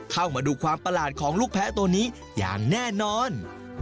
เข้ามาดูความประหลาดของลูกแพ้ตัวนี้อย่างแน่นอน